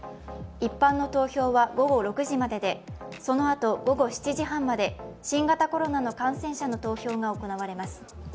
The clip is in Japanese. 一般の投票は午後６時まででそのあと午後７時半まで新型コロナの感染者の投票が行われます。